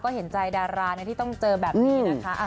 เห็นใจดาราที่ต้องเจอแบบนี้นะคะ